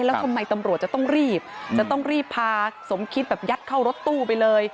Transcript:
แล้วทำไมตำรวจจะต้องรีบจะต้องรีบพาสมคิดแบบยัดเข้ารถตู้ไปเลย